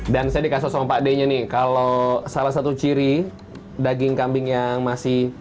dan saya dikasih sama pak d nya nih kalau salah satu ciri daging kambing yang masih